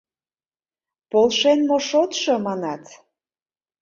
— Полшен мо шотшо, манат.